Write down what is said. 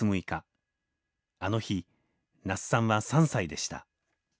あの日那須さんは３歳でした。